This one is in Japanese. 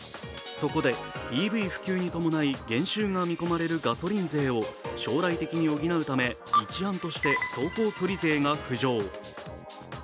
そこでＥＶ普及に伴ない減収が見込まれるガソリン税を将来的に補うため、一案として走行距離税が浮上。